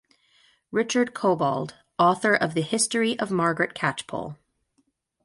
Richard Cobbold, author of the "History of Margaret Catchpole".